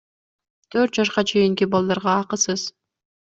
Төрт жашка чейинки балдарга акысыз.